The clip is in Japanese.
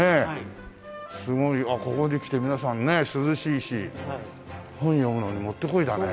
すごいここに来て皆さんね涼しいし本読むのにもってこいだね。